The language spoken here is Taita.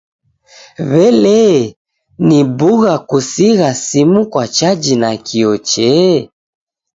W'elee, ni bugha kusigha simu kwa chaji nakio chee?